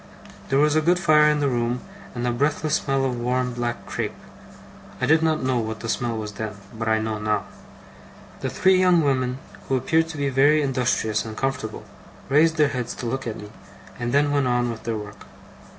There was a good fire in the room, and a breathless smell of warm black crape I did not know what the smell was then, but I know now. The three young women, who appeared to be very industrious and comfortable, raised their heads to look at me, and then went on with their work.